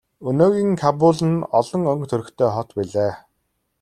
Өнөөгийн Кабул нь олон өнгө төрхтэй хот билээ.